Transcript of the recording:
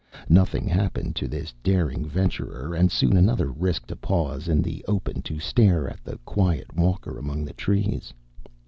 Nothing happened to this daring venturer, and soon another risked a pause in the open to stare at the quiet walker among the trees.